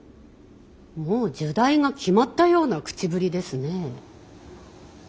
もう入内が決まったような口ぶりですね。